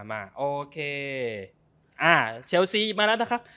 มาโอเคอ่าเชียวซีมาล่ะนะครับ